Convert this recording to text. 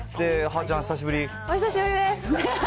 お久しぶりです。